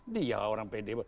dia orang pede